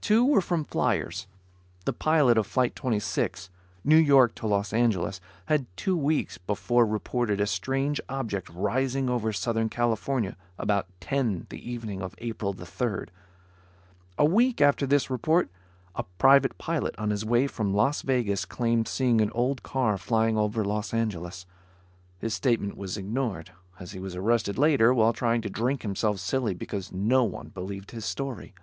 Two were from fliers. The pilot of Flight 26, New York to Los Angeles, had two weeks before reported a strange object rising over Southern California about ten the evening of April 3rd. A week after this report, a private pilot on his way from Las Vegas claimed seeing an old car flying over Los Angeles. His statement was ignored, as he was arrested later while trying to drink himself silly because no one believed his story.